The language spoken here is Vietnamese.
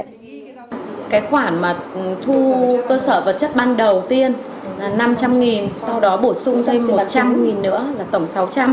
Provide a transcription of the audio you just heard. cái khoản mà thu cơ sở vật chất ban đầu tiên là năm trăm linh sau đó bổ sung tới một trăm linh nữa là tổng sáu trăm linh